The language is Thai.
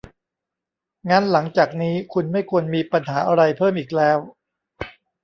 งั้น หลังจากนี้คุณไม่ควรมีปัญหาอะไรเพิ่มอีกแล้ว